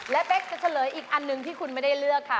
และเป๊กจะเฉลยอีกอันหนึ่งที่คุณไม่ได้เลือกค่ะ